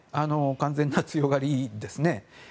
完全な強がりですね。